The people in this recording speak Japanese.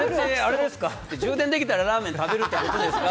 充電できたらラーメン食べるってことですか？